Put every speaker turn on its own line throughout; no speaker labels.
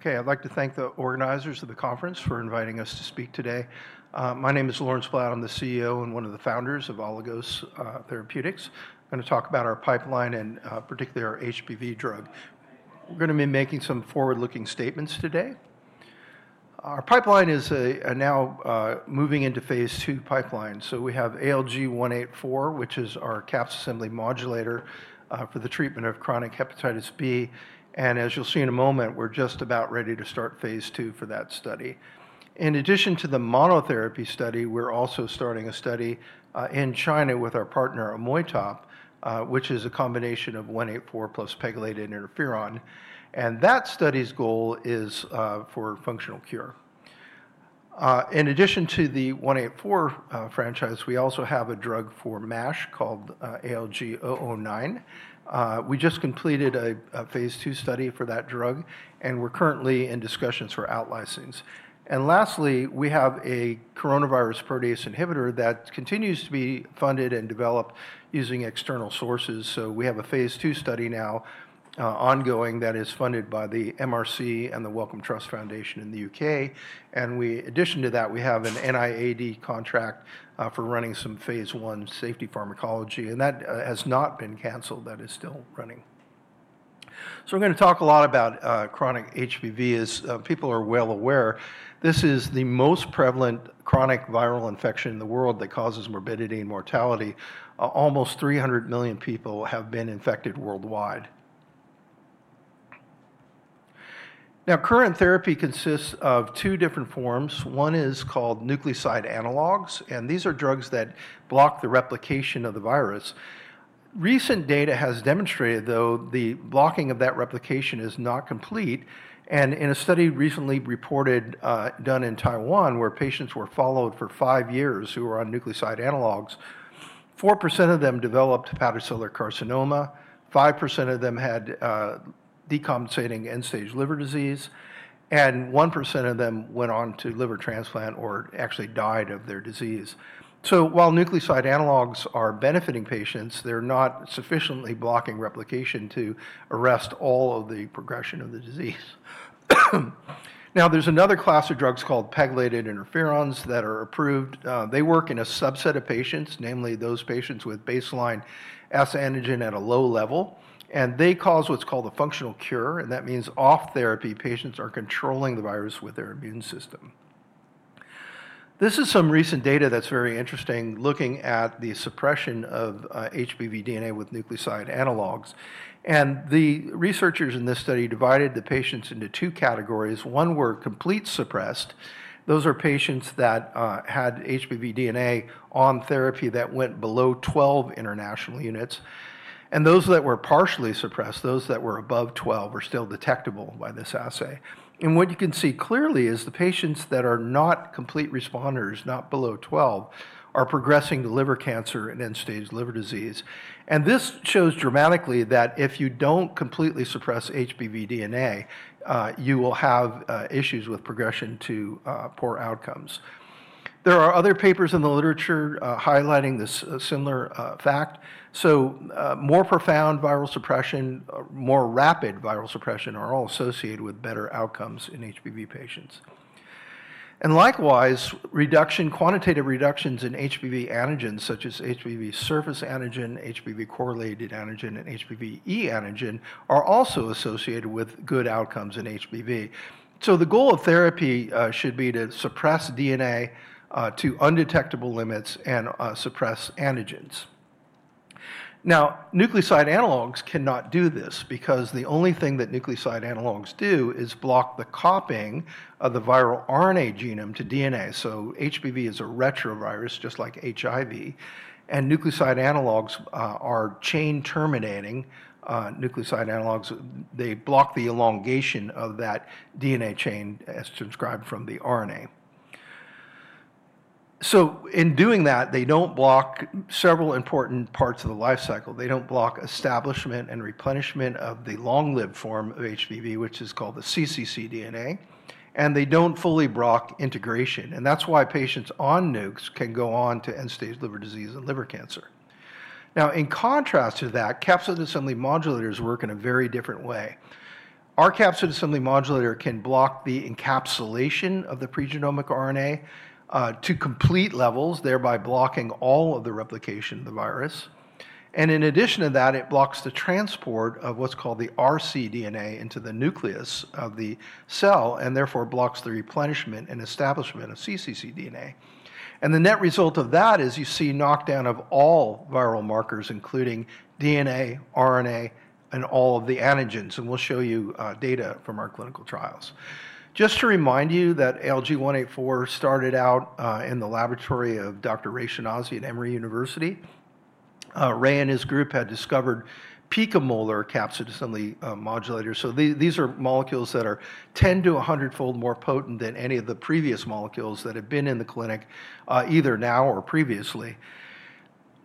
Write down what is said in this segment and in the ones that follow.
Okay, I'd like to thank the organizers of the conference for inviting us to speak today. My name is Lawrence Blatt. I'm the CEO and one of the founders of Aligos Therapeutics. I'm going to talk about our pipeline and particularly our HPV drug. We're going to be making some forward-looking statements today. Our pipeline is now moving into phase II pipeline. So we have ALG-000184, which is our capsid assembly modulator for the treatment of chronic hepatitis B. As you'll see in a moment, we're just about ready to start phase II for that study. In addition to the monotherapy study, we're also starting a study in China with our partner Amoytop, which is a combination of 184 plus pegylated interferon. That study's goal is for functional cure. In addition to the 184 franchise, we also have a drug for MASH called ALG-009. We just completed a phase II study for that drug, and we're currently in discussions for outlicensings. Lastly, we have a coronavirus protease inhibitor that continues to be funded and developed using external sources. We have a phase II study now ongoing that is funded by the MRC and the Wellcome Trust in the U.K. In addition to that, we have an NIAID contract for running some phase I safety pharmacology, and that has not been canceled. That is still running. We're going to talk a lot about chronic HBV, as people are well aware. This is the most prevalent chronic viral infection in the world that causes morbidity and mortality. Almost 300 million people have been infected worldwide. Current therapy consists of two different forms. One is called nucleoside analogs, and these are drugs that block the replication of the virus. Recent data has demonstrated, though, the blocking of that replication is not complete. In a study recently reported done in Taiwan, where patients were followed for five years who were on nucleoside analogs, 4% of them developed hepatocellular carcinoma, 5% of them had decompensating end-stage liver disease, and 1% of them went on to liver transplant or actually died of their disease. While nucleoside analogs are benefiting patients, they're not sufficiently blocking replication to arrest all of the progression of the disease. There is another class of drugs called pegylated interferons that are approved. They work in a subset of patients, namely those patients with baseline S-antigen at a low level, and they cause what's called a functional cure. That means off therapy patients are controlling the virus with their immune system. This is some recent data that's very interesting, looking at the suppression of HBV DNA with nucleoside analogs. The researchers in this study divided the patients into two categories. One were complete suppressed. Those are patients that had HBV DNA on therapy that went below 12 international units. Those that were partially suppressed, those that were above 12, were still detectable by this assay. What you can see clearly is the patients that are not complete responders, not below 12, are progressing to liver cancer and end-stage liver disease. This shows dramatically that if you do not completely suppress HBV DNA, you will have issues with progression to poor outcomes. There are other papers in the literature highlighting this similar fact. More profound viral suppression, more rapid viral suppression, are all associated with better outcomes in HBV patients. Likewise, quantitative reductions in HBV antigens, such as HBV surface antigen, HBV core antigen, and HBV E antigen, are also associated with good outcomes in HBV. The goal of therapy should be to suppress DNA to undetectable limits and suppress antigens. Now, nucleoside analogs cannot do this because the only thing that nucleoside analogs do is block the copying of the viral RNA genome to DNA. HBV is a DNA virus, not a retrovirus like HIV. Nucleoside analogs are chain-terminating nucleoside analogs. They block the elongation of that DNA chain, as transcribed from the RNA. In doing that, they do not block several important parts of the life cycle. They do not block establishment and replenishment of the long-lived form of HBV, which is called the cccDNA. They do not fully block integration. That's why patients on NUCs can go on to end-stage liver disease and liver cancer. In contrast to that, capsid assembly modulators work in a very different way. Our capsid assembly modulator can block the encapsulation of the pregenomic RNA to complete levels, thereby blocking all of the replication of the virus. In addition to that, it blocks the transport of what's called the rcDNA into the nucleus of the cell and therefore blocks the replenishment and establishment of cccDNA. The net result of that is you see knockdown of all viral markers, including DNA, RNA, and all of the antigens. We'll show you data from our clinical trials. Just to remind you, ALG-000184 started out in the laboratory of Dr. Raymond Schinazi at Emory University. Ray and his group had discovered picomolar capsid assembly modulators. These are molecules that are 10-100 fold more potent than any of the previous molecules that have been in the clinic, either now or previously.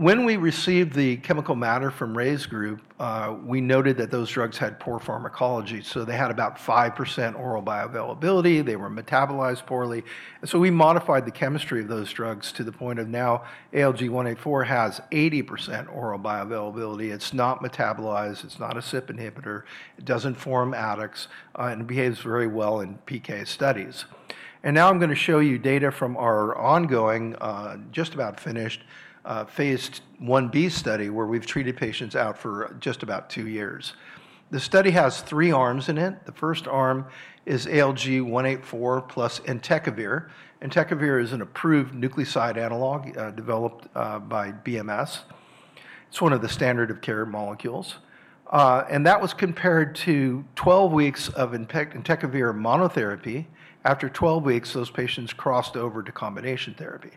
When we received the chemical matter from Ray's group, we noted that those drugs had poor pharmacology. They had about 5% oral bioavailability. They were metabolized poorly. We modified the chemistry of those drugs to the point of now ALG-000184 has 80% oral bioavailability. It's not metabolized. It's not a CYP inhibitor. It doesn't form adducts and behaves very well in PK studies. Now I'm going to show you data from our ongoing, just about finished, phase I-B study where we've treated patients out for just about two years. The study has three arms in it. The first arm is ALG-000184 plus Entecavir. Entecavir is an approved nucleoside analog developed by BMS. It's one of the standard of care molecules. That was compared to 12 weeks of Entecavir monotherapy. After 12 weeks, those patients crossed over to combination therapy.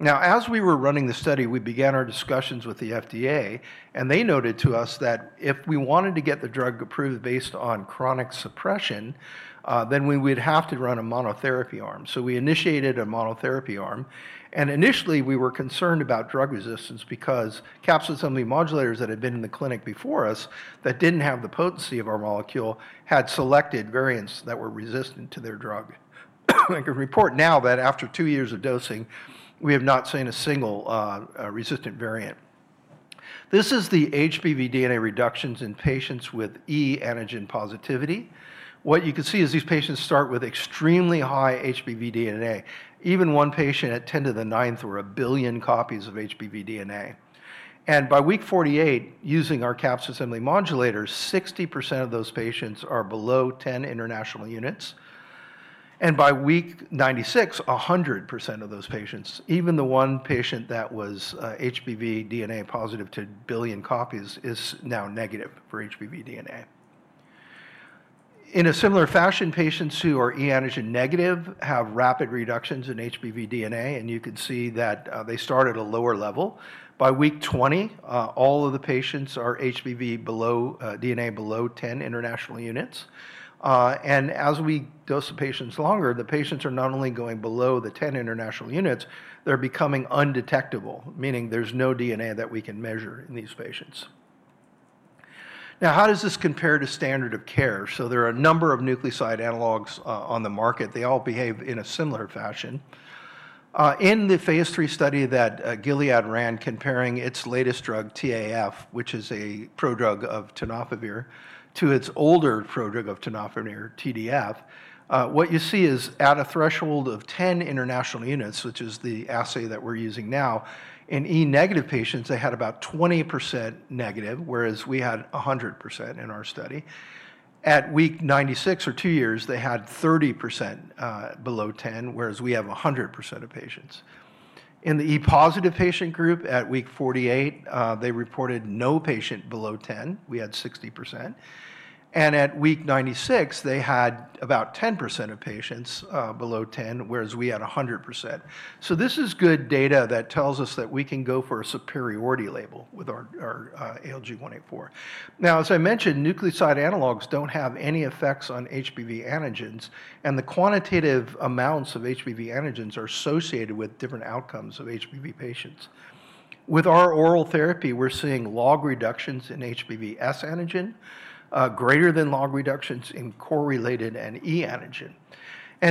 Now, as we were running the study, we began our discussions with the FDA, and they noted to us that if we wanted to get the drug approved based on chronic suppression, we would have to run a monotherapy arm. We initiated a monotherapy arm. Initially, we were concerned about drug resistance because capsid assembly modulators that had been in the clinic before us that didn't have the potency of our molecule had selected variants that were resistant to their drug. I think I report now that after two years of dosing, we have not seen a single resistant variant. This is the HBV DNA reductions in patients with E antigen positivity. What you can see is these patients start with extremely high HBV DNA. Even one patient at 10 to the ninth or a billion copies of HBV DNA. By week 48, using our capsid assembly modulator, 60% of those patients are below 10 international units. By week 96, 100% of those patients, even the one patient that was HBV DNA positive to a billion copies, is now negative for HBV DNA. In a similar fashion, patients who are E antigen negative have rapid reductions in HBV DNA, and you can see that they start at a lower level. By week 20, all of the patients are HBV DNA below 10 international units. As we dose the patients longer, the patients are not only going below the 10 international units, they are becoming undetectable, meaning there is no DNA that we can measure in these patients. Now, how does this compare to standard of care? There are a number of nucleoside analogs on the market. They all behave in a similar fashion. In the phase III study that Gilead ran, comparing its latest drug, TAF, which is a prodrug of tenofovir, to its older prodrug of tenofovir, TDF, what you see is at a threshold of 10 international units, which is the assay that we're using now. In E negative patients, they had about 20% negative, whereas we had 100% in our study. At week 96, or two years, they had 30% below 10, whereas we have 100% of patients. In the E positive patient group, at week 48, they reported no patient below 10. We had 60%. At week 96, they had about 10% of patients below 10, whereas we had 100%. This is good data that tells us that we can go for a superiority label with our ALG-000184. Now, as I mentioned, nucleoside analogs don't have any effects on HBV antigens, and the quantitative amounts of HBV antigens are associated with different outcomes of HBV patients. With our oral therapy, we're seeing log reductions in HBsAg, greater than log reductions in correlated and HBeAg.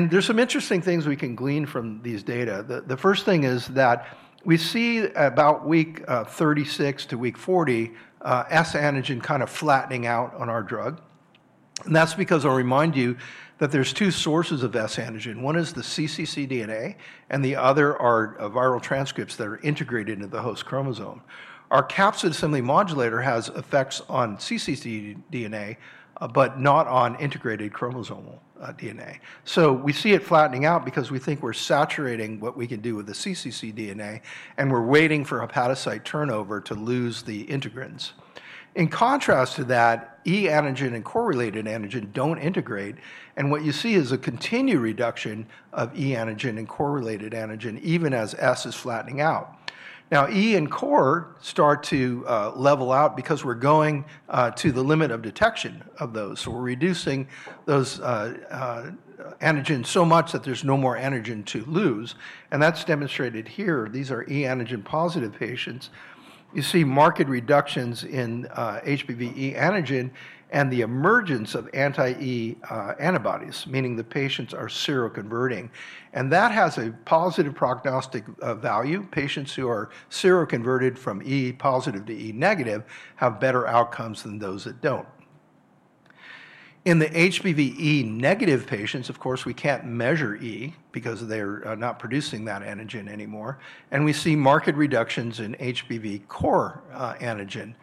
There's some interesting things we can glean from these data. The first thing is that we see about week 36 to week 40, HBsAg kind of flattening out on our drug. That's because, I'll remind you, that there's two sources of HBsAg. One is the cccDNA, and the other are viral transcripts that are integrated into the host chromosome. Our capsid assembly modulator has effects on cccDNA, but not on integrated chromosomal DNA. We see it flattening out because we think we're saturating what we can do with the cccDNA, and we're waiting for hepatocyte turnover to lose the integrins. In contrast to that, E antigen and corelated antigen don't integrate. What you see is a continued reduction of E antigen and corelated antigen, even as S is flattening out. Now, E and core start to level out because we're going to the limit of detection of those. We're reducing those antigens so much that there's no more antigen to lose. That's demonstrated here. These are E antigen positive patients. You see marked reductions in HBV E antigen and the emergence of anti-E antibodies, meaning the patients are seroconverting. That has a positive prognostic value. Patients who are seroconverted from E positive to E negative have better outcomes than those that don't. In the HBeAg negative patients, of course, we can't measure E because they're not producing that antigen anymore. We see marked reductions in HBV core antigen.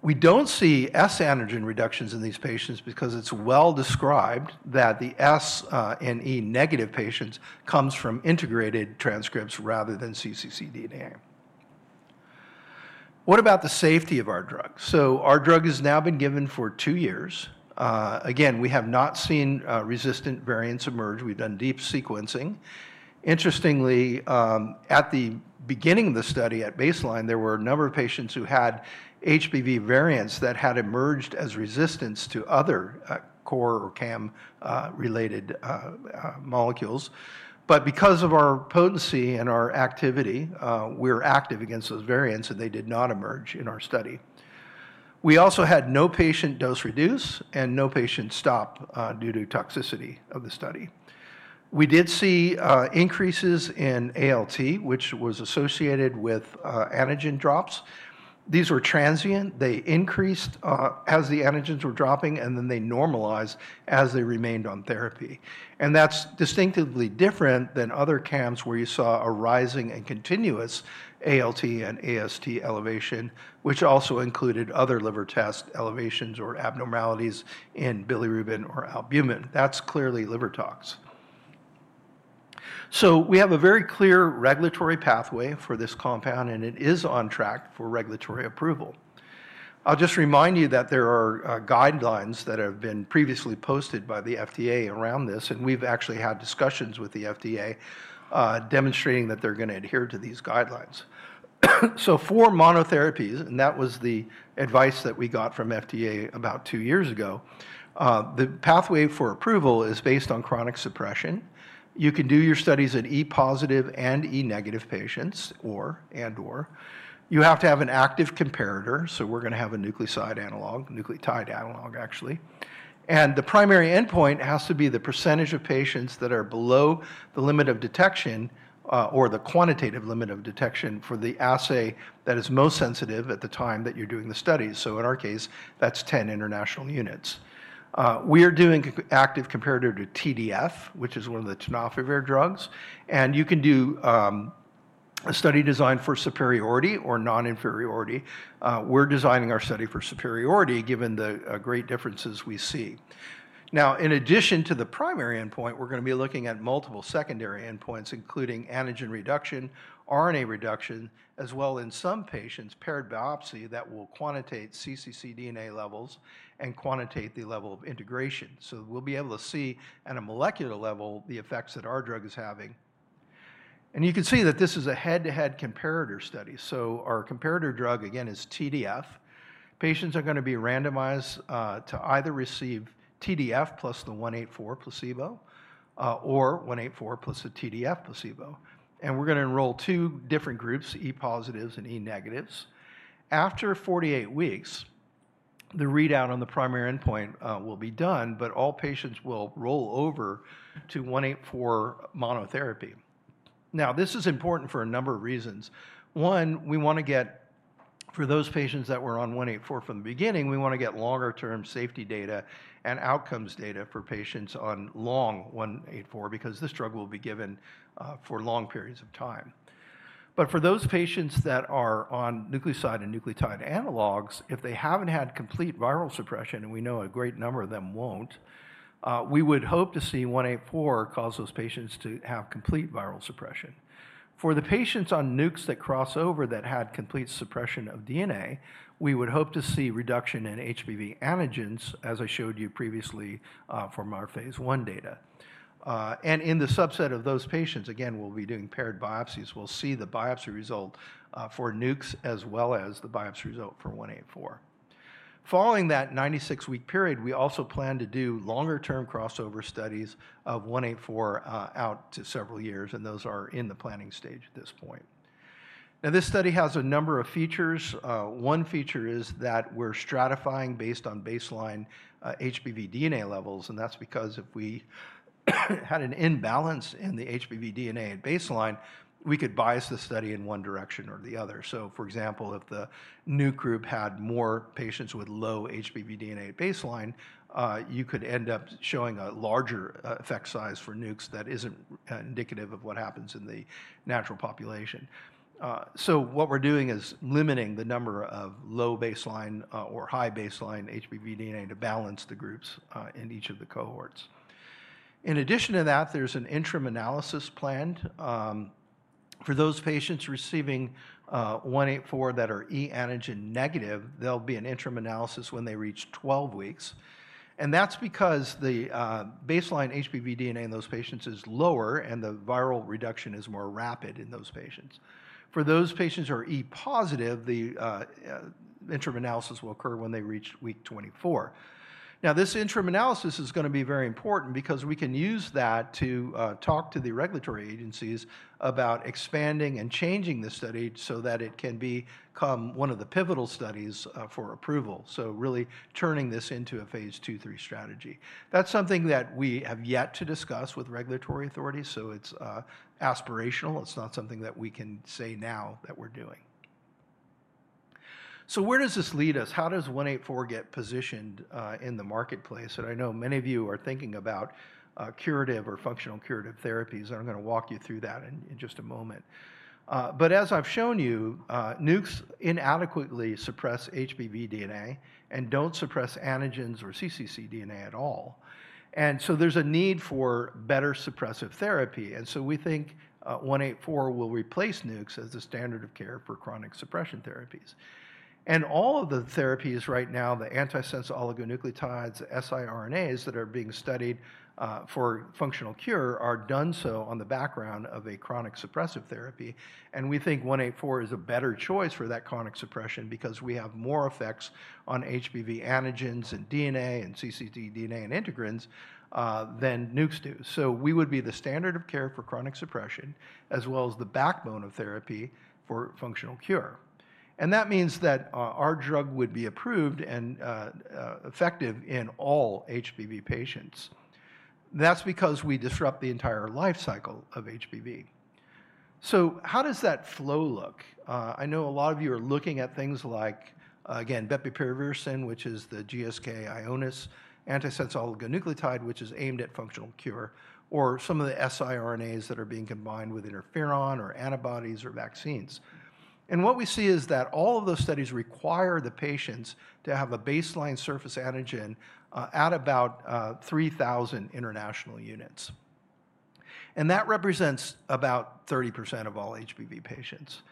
We don't see S antigen reductions in these patients because it's well described that the S and E negative patients come from integrated transcripts rather than cccDNA. What about the safety of our drug? Our drug has now been given for two years. Again, we have not seen resistant variants emerge. We've done deep sequencing. Interestingly, at the beginning of the study at baseline, there were a number of patients who had HBV variants that had emerged as resistance to other core or CAM related molecules. Because of our potency and our activity, we're active against those variants, and they did not emerge in our study. We also had no patient dose reduce and no patient stop due to toxicity of the study. We did see increases in ALT, which was associated with antigen drops. These were transient. They increased as the antigens were dropping, and then they normalized as they remained on therapy. That is distinctively different than other CAMs where you saw a rising and continuous ALT and AST elevation, which also included other liver test elevations or abnormalities in bilirubin or albumin. That is clearly liver tox. We have a very clear regulatory pathway for this compound, and it is on track for regulatory approval. I'll just remind you that there are guidelines that have been previously posted by the FDA around this, and we've actually had discussions with the FDA demonstrating that they're going to adhere to these guidelines. For monotherapies, and that was the advice that we got from FDA about two years ago, the pathway for approval is based on chronic suppression. You can do your studies at E positive and E negative patients or and or. You have to have an active comparator. We're going to have a nucleoside analog, nucleotide analog, actually. The primary endpoint has to be the percentage of patients that are below the limit of detection or the quantitative limit of detection for the assay that is most sensitive at the time that you're doing the studies. In our case, that's 10 international units. We are doing active comparator to TDF, which is one of the tenofovir drugs. You can do a study designed for superiority or non-inferiority. We're designing our study for superiority given the great differences we see. Now, in addition to the primary endpoint, we're going to be looking at multiple secondary endpoints, including antigen reduction, RNA reduction, as well as in some patients, paired biopsy that will quantitate cccDNA levels and quantitate the level of integration. We will be able to see at a molecular level the effects that our drug is having. You can see that this is a head-to-head comparator study. Our comparator drug, again, is TDF. Patients are going to be randomized to either receive TDF plus the 184 placebo or 184 plus a TDF placebo. We're going to enroll two different groups, E positives and E negatives. After 48 weeks, the readout on the primary endpoint will be done, but all patients will roll over to 184 monotherapy. This is important for a number of reasons. One, we want to get for those patients that were on 184 from the beginning, we want to get longer-term safety data and outcomes data for patients on long 184 because this drug will be given for long periods of time. For those patients that are on nucleoside and nucleotide analogs, if they haven't had complete viral suppression, and we know a great number of them won't, we would hope to see 184 cause those patients to have complete viral suppression. For the patients on NUCs that cross over that had complete suppression of DNA, we would hope to see reduction in HBV antigens, as I showed you previously from our phase I data. In the subset of those patients, again, we'll be doing paired biopsies. We'll see the biopsy result for NUCs as well as the biopsy result for 184. Following that 96-week period, we also plan to do longer-term crossover studies of 184 out to several years, and those are in the planning stage at this point. Now, this study has a number of features. One feature is that we're stratifying based on baseline HBV DNA levels, and that's because if we had an imbalance in the HBV DNA at baseline, we could bias the study in one direction or the other. For example, if the NUC group had more patients with low HBV DNA at baseline, you could end up showing a larger effect size for NUCs that isn't indicative of what happens in the natural population. What we're doing is limiting the number of low baseline or high baseline HBV DNA to balance the groups in each of the cohorts. In addition to that, there's an interim analysis planned for those patients receiving 184 that are E antigen negative. There'll be an interim analysis when they reach 12 weeks. That's because the baseline HBV DNA in those patients is lower, and the viral reduction is more rapid in those patients. For those patients who are E positive, the interim analysis will occur when they reach week 24. Now, this interim analysis is going to be very important because we can use that to talk to the regulatory agencies about expanding and changing the study so that it can become one of the pivotal studies for approval. Really turning this into a phase II, three strategy. That's something that we have yet to discuss with regulatory authorities. It's aspirational. It's not something that we can say now that we're doing. Where does this lead us? How does 184 get positioned in the marketplace? I know many of you are thinking about curative or functional curative therapies. I'm going to walk you through that in just a moment. As I've shown you, NUCs inadequately suppress HBV DNA and do not suppress antigens or cccDNA at all. There is a need for better suppressive therapy. We think 184 will replace NUCs as a standard of care for chronic suppression therapies. All of the therapies right now, the antisense oligonucleotides, siRNAs that are being studied for functional cure, are done so on the background of a chronic suppressive therapy. We think 184 is a better choice for that chronic suppression because we have more effects on HBV antigens and DNA and cccDNA and integrins than NUCs do. We would be the standard of care for chronic suppression, as well as the backbone of therapy for functional cure. That means that our drug would be approved and effective in all HBV patients. That's because we disrupt the entire life cycle of HBV. How does that flow look? I know a lot of you are looking at things like, again, Bepirovirsen, which is the GSK Ionis antisense oligonucleotide, which is aimed at functional cure, or some of the siRNAs that are being combined with interferon or antibodies or vaccines. What we see is that all of those studies require the patients to have a baseline surface antigen at about 3,000 international units. That represents about 30% of all HBV patients.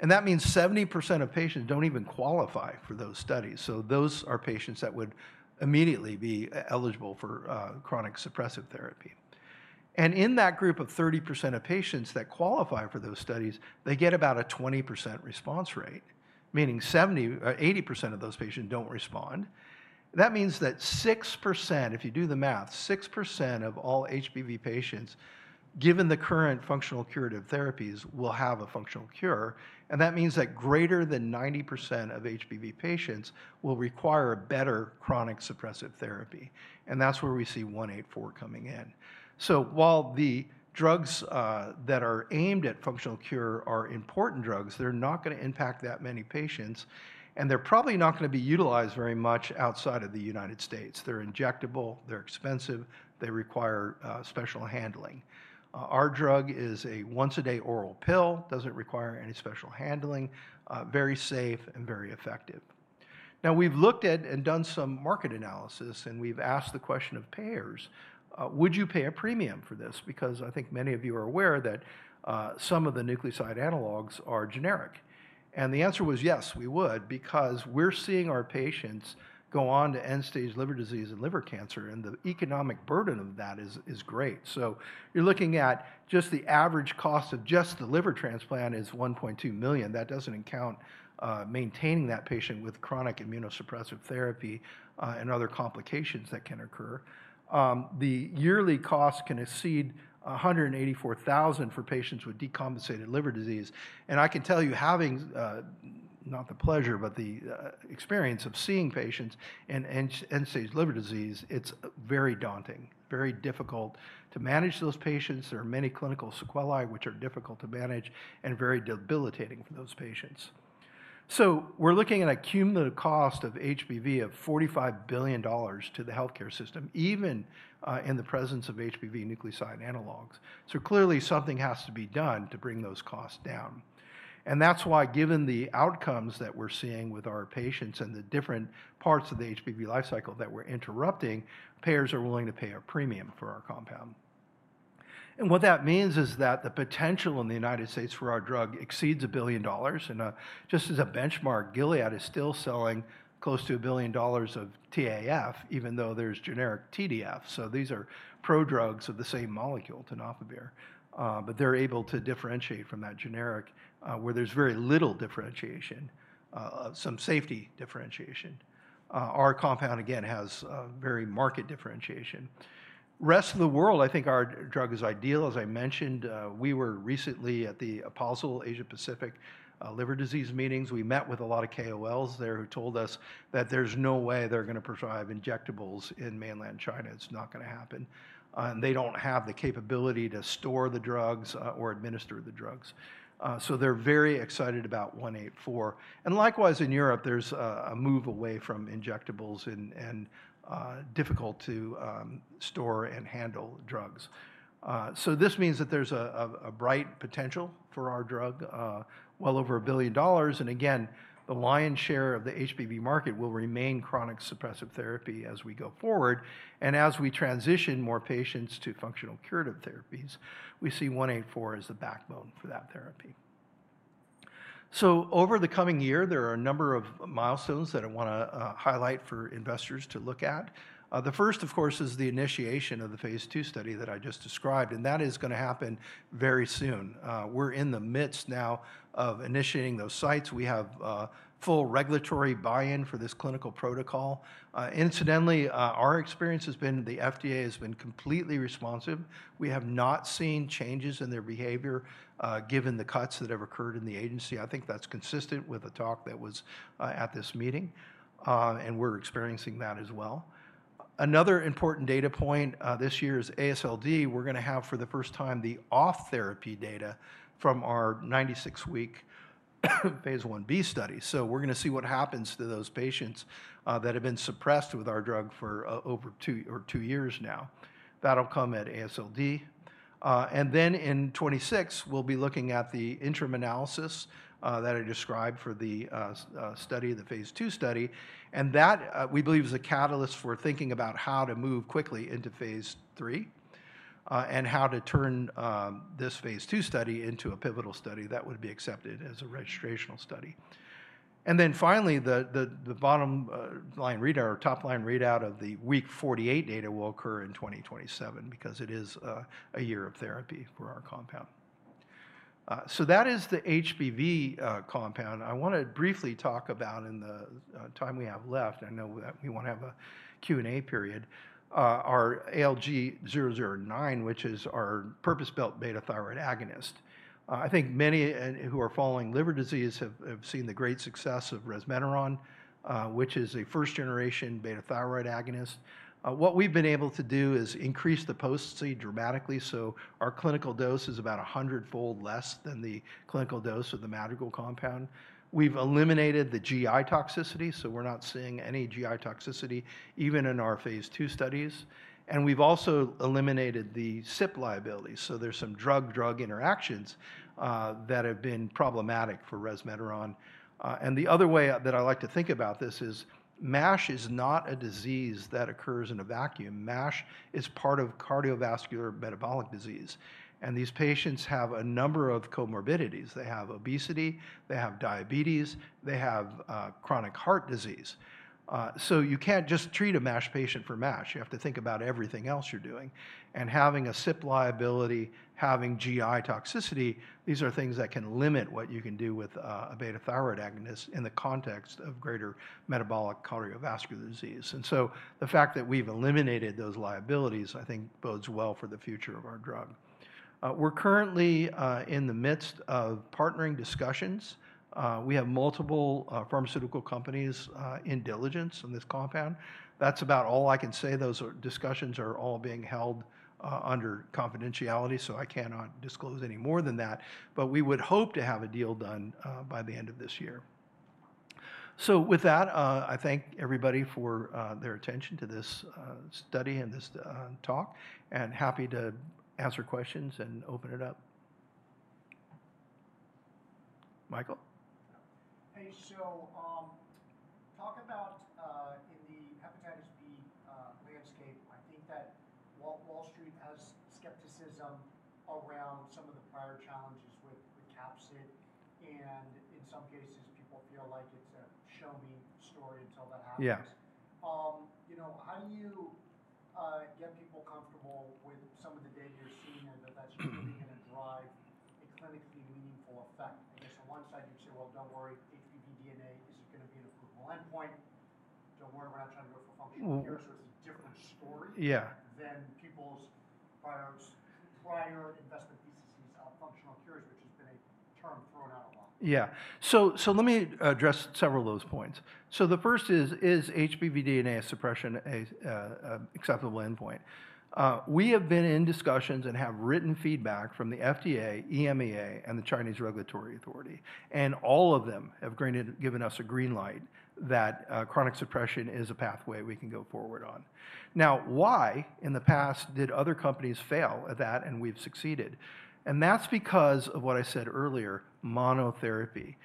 That means 70% of patients do not even qualify for those studies. Those are patients that would immediately be eligible for chronic suppressive therapy. In that group of 30% of patients that qualify for those studies, they get about a 20% response rate, meaning 70% or 80% of those patients do not respond. That means that 6%, if you do the math, 6% of all HBV patients, given the current functional curative therapies, will have a functional cure. That means that greater than 90% of HBV patients will require a better chronic suppressive therapy. That is where we see 184 coming in. While the drugs that are aimed at functional cure are important drugs, they are not going to impact that many patients. They are probably not going to be utilized very much outside of the United States. They are injectable, they are expensive, they require special handling. Our drug is a once-a-day oral pill, does not require any special handling, very safe and very effective. Now, we have looked at and done some market analysis, and we have asked the question of payers. Would you pay a premium for this? Because I think many of you are aware that some of the nucleoside analogs are generic. The answer was yes, we would, because we are seeing our patients go on to end-stage liver disease and liver cancer, and the economic burden of that is great. You are looking at just the average cost of just the liver transplant is $1.2 million. That does not account for maintaining that patient with chronic immunosuppressive therapy and other complications that can occur. The yearly cost can exceed $184,000 for patients with decompensated liver disease. I can tell you, having not the pleasure, but the experience of seeing patients in end-stage liver disease, it's very daunting, very difficult to manage those patients. There are many clinical sequelae which are difficult to manage and very debilitating for those patients. We are looking at a cumulative cost of HBV of $45 billion to the healthcare system, even in the presence of HBV nucleoside analogs. Clearly, something has to be done to bring those costs down. That is why, given the outcomes that we are seeing with our patients and the different parts of the HBV life cycle that we are interrupting, payers are willing to pay a premium for our compound. What that means is that the potential in the United States for our drug exceeds $1 billion. Just as a benchmark, Gilead is still selling close to $1 billion of TAF, even though there's generic TDF. These are pro drugs of the same molecule, tenofovir, but they're able to differentiate from that generic where there's very little differentiation, some safety differentiation. Our compound, again, has very market differentiation. Rest of the world, I think our drug is ideal. As I mentioned, we were recently at the APASL Asia Pacific liver disease meetings. We met with a lot of KOLs there who told us that there's no way they're going to provide injectables in mainland China. It's not going to happen. They don't have the capability to store the drugs or administer the drugs. They're very excited about 184. Likewise, in Europe, there's a move away from injectables and difficult to store and handle drugs. This means that there's a bright potential for our drug, well over $1 billion. Again, the lion's share of the HBV market will remain chronic suppressive therapy as we go forward. As we transition more patients to functional curative therapies, we see 184 as a backbone for that therapy. Over the coming year, there are a number of milestones that I want to highlight for investors to look at. The first, of course, is the initiation of the phase II study that I just described, and that is going to happen very soon. We're in the midst now of initiating those sites. We have full regulatory buy-in for this clinical protocol. Incidentally, our experience has been the FDA has been completely responsive. We have not seen changes in their behavior given the cuts that have occurred in the agency. I think that's consistent with the talk that was at this meeting, and we're experiencing that as well. Another important data point this year is AASLD. We're going to have for the first time the off therapy data from our 96-week phase I-B study. So we're going to see what happens to those patients that have been suppressed with our drug for over two years now. That'll come at AASLD. In 2026, we'll be looking at the interim analysis that I described for the study, the phase II study. That, we believe, is a catalyst for thinking about how to move quickly into phase III and how to turn this phase II study into a pivotal study that would be accepted as a registrational study. Finally, the bottom line readout or top line readout of the week 48 data will occur in 2027 because it is a year of therapy for our compound. That is the HBV compound. I want to briefly talk about, in the time we have left—I know we want to have a Q&A period—our ALG-009, which is our purpose-built beta thyroid agonist. I think many who are following liver disease have seen the great success of resmetirom, which is a first-generation beta thyroid agonist. What we've been able to do is increase the potency dramatically. Our clinical dose is about a hundred-fold less than the clinical dose of the Madrigal compound. We've eliminated the GI toxicity, so we're not seeing any GI toxicity, even in our phase II studies. We've also eliminated the CYP liability. There are some drug-drug interactions that have been problematic for resmetirom. The other way that I like to think about this is MASH is not a disease that occurs in a vacuum. MASH is part of cardiovascular metabolic disease. These patients have a number of comorbidities. They have obesity, they have diabetes, they have chronic heart disease. You cannot just treat a MASH patient for MASH. You have to think about everything else you are doing. Having a CYP liability, having GI toxicity, these are things that can limit what you can do with a beta thyroid agonist in the context of greater metabolic cardiovascular disease. The fact that we have eliminated those liabilities, I think, bodes well for the future of our drug. We are currently in the midst of partnering discussions. We have multiple pharmaceutical companies in diligence on this compound. That's about all I can say. Those discussions are all being held under confidentiality, so I cannot disclose any more than that. We would hope to have a deal done by the end of this year. With that, I thank everybody for their attention to this study and this talk, and happy to answer questions and open it up. Michael? Hey, so talk about in the hepatitis B landscape, I think that Wall Street has skepticism around some of the prior challenges with capsid. In some cases, people feel like it's a show me story until that happens. How do you get people comfortable with some of the data you're seeing that that's going to begin to drive a clinically meaningful effect? I guess on one side, you'd say, don't worry, HBV DNA is going to be an equivalent point. Don't worry about trying to work for functional cure, so it's a different story than people's prior investment. Yeah. Let me address several of those points. The first is, is HBV DNA suppression an acceptable endpoint? We have been in discussions and have written feedback from the FDA, EMEA, and the Chinese Regulatory Authority. All of them have given us a green light that chronic suppression is a pathway we can go forward on. Now, why in the past did other companies fail at that and we've succeeded? That's because of what I said earlier, monotherapy.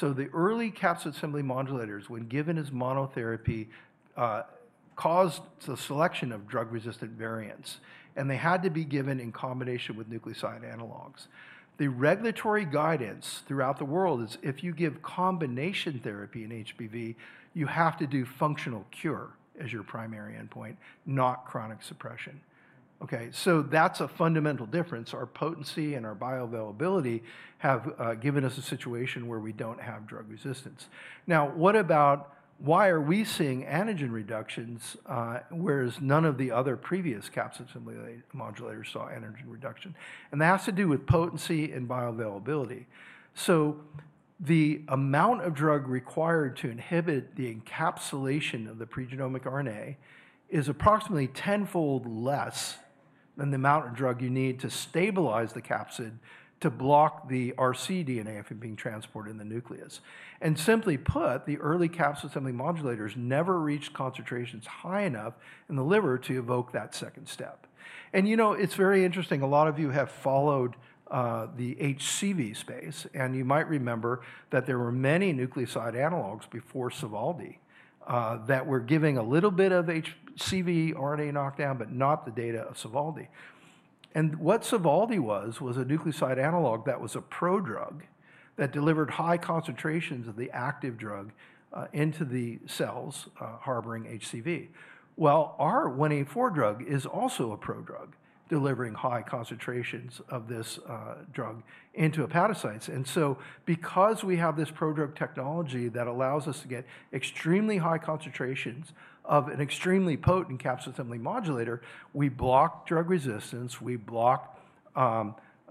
The early capsid assembly modulators, when given as monotherapy, caused a selection of drug-resistant variants, and they had to be given in combination with nucleoside analogs. The regulatory guidance throughout the world is if you give combination therapy in HBV, you have to do functional cure as your primary endpoint, not chronic suppression. Okay, so that's a fundamental difference. Our potency and our bioavailability have given us a situation where we don't have drug resistance. Now, what about why are we seeing antigen reductions whereas none of the other previous capsid assembly modulators saw antigen reduction? And that has to do with potency and bioavailability. So the amount of drug required to inhibit the encapsulation of the pregenomic RNA is approximately tenfold less than the amount of drug you need to stabilize the capsid to block the rcDNA from being transported in the nucleus. And simply put, the early capsid assembly modulators never reached concentrations high enough in the liver to evoke that second step. And you know it's very interesting. A lot of you have followed the HCV space, and you might remember that there were many nucleoside analogs before Sovaldi that were giving a little bit of HCV RNA knockdown, but not the data of Sovaldi. What Sovaldi was, was a nucleoside analog that was a pro drug that delivered high concentrations of the active drug into the cells harboring HCV. Our 184 drug is also a pro drug delivering high concentrations of this drug into hepatocytes. Because we have this pro drug technology that allows us to get extremely high concentrations of an extremely potent capsid assembly modulator, we block drug resistance, we block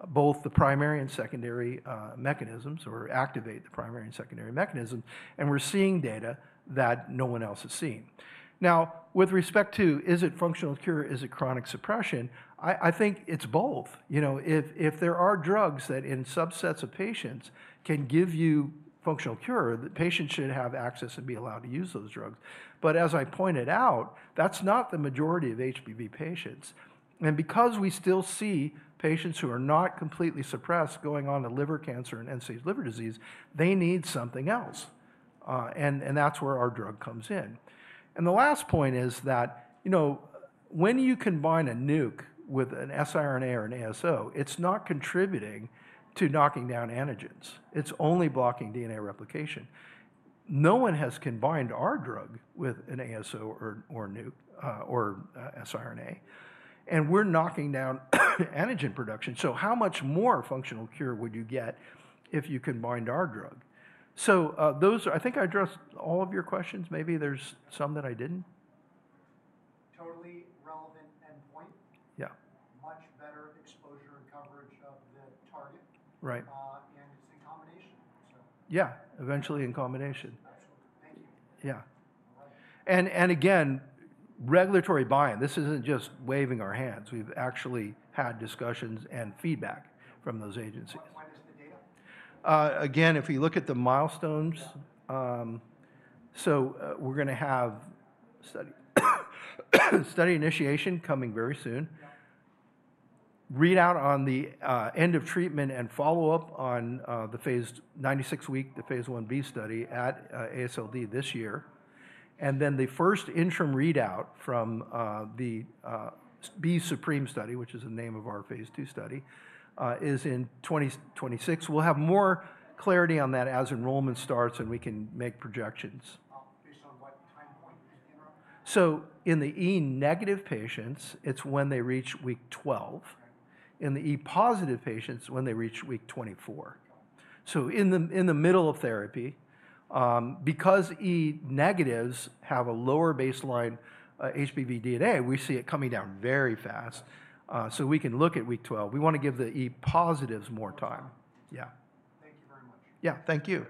both the primary and secondary mechanisms, or activate the primary and secondary mechanism, and we're seeing data that no one else has seen. Now, with respect to, is it functional cure, is it chronic suppression, I think it's both. If there are drugs that in subsets of patients can give you functional cure, the patient should have access and be allowed to use those drugs. As I pointed out, that's not the majority of HBV patients. Because we still see patients who are not completely suppressed going on to liver cancer and end-stage liver disease, they need something else. That is where our drug comes in. The last point is that when you combine a nuke with an sRNA or an ASO, it's not contributing to knocking down antigens. It's only blocking DNA replication. No one has combined our drug with an ASO or nuke or sRNA, and we're knocking down antigen production. How much more functional cure would you get if you combined our drug? I think I addressed all of your questions. Maybe there's some that I didn't. Totally relevant endpoint. Yeah. Much better exposure and coverage of the target. Right. And it's a combination. Yeah, eventually in combination. Yeah. Again, regulatory buy-in. This isn't just waving our hands. We've actually had discussions and feedback from those agencies. Again, if we look at the milestones, we're going to have study initiation coming very soon. Readout on the end of treatment and follow-up on the phase 96 week, the phase I-B study at AASLD this year. Then the first interim readout from the B-Supreme study, which is the name of our phase II study, is in 2026. We'll have more clarity on that as enrollment starts and we can make projections. In the E negative patients, it's when they reach week 12. In the E positive patients, when they reach week 24. In the middle of therapy, because E negatives have a lower baseline HBV DNA, we see it coming down very fast. We can look at week 12. We want to give the E positives more time. Yeah. Yeah, thank you.